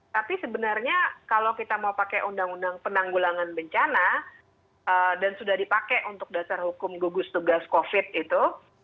tapi sebenarnya kalau kita mau pakai undang undang penanggulangan bencana dan sudah dipakai untuk dasar hukum gugus tugas covid itu